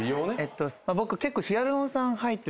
僕結構。